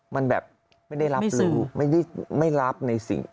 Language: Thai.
มันแบบไม่ได้รับรู้ไม่ได้รับในสิ่ง